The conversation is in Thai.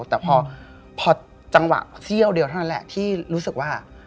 แต่พอจังหวะเสี้ยวเดียวเท่านั้นแหละที่รู้สึกว่า